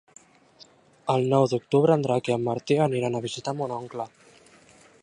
El nou d'octubre en Drac i en Martí aniran a visitar mon oncle.